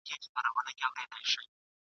چي له خلوته مو د شیخ سیوری شړلی نه دی ..